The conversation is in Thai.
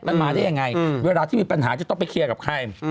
มันมาได้ยังไงเวลาที่มีปัญหาจะต้องไปเคลียร์กับใคร